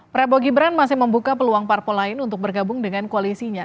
prabowo gibran masih membuka peluang parpol lain untuk bergabung dengan koalisinya